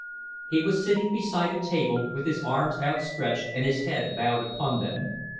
He was sitting beside a table, with his arms outstretched and his head bowed upon them.